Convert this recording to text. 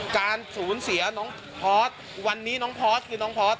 การสูญเสียน้องพอร์ตวันนี้น้องพอร์สคือน้องพอร์ต